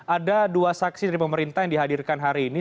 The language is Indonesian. ada dua saksi dari pemerintah yang dihadirkan hari ini